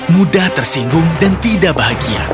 mudah tersinggung dan tidak bahagia